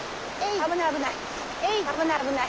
危ない危ない。